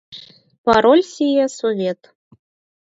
Пароль лие «Совет!»